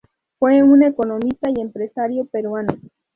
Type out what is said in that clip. Fue un economista y empresario peruano.